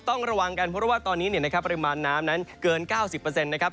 ต้องระวังกันเพราะว่าตอนนี้เนี่ยนะครับปริมาณน้ำนั้นเกิน๙๐นะครับ